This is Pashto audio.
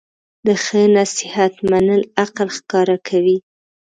د ښه نصیحت منل عقل ښکاره کوي.